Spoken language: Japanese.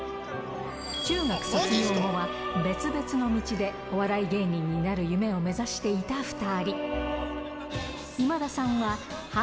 中学卒業後は、別々の道でお笑い芸人になる夢を目指していた２人。